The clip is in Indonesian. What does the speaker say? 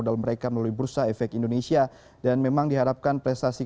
hal ini tentu mengucapkan terima kasih